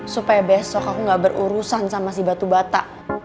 supaya besok aku gak berurusan sama si batu bata